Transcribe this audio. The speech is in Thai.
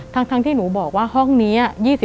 ทั้งที่หนูบอกว่าห้องนี้